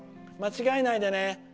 間違えないでね。